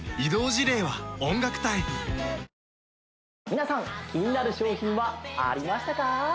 皆さん気になる商品はありましたか？